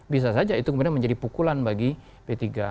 bisa saja itu kemudian menjadi pukulan bagi p tiga